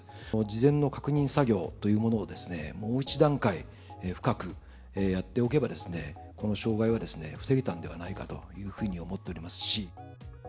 事前の確認作業をもう一段階深くやっておけば、この障害を防げたんではないかというふうに思っておりますし。